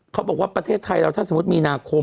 เขาบอกว่าประเทศไทยเราถ้าสมมุติมีนาคม